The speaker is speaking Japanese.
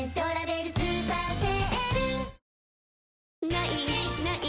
「ない！ない！